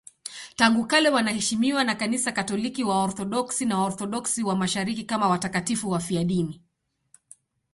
Tangu kale wanaheshimiwa na Kanisa Katoliki, Waorthodoksi na Waorthodoksi wa Mashariki kama watakatifu wafiadini.